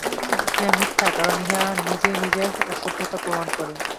ইহা মিথ্যা, কারণ ইহা নিজেই নিজের অশুদ্ধতা প্রমাণ করে।